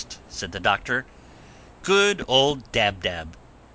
said the Doctor. "Good old Dab Dab!"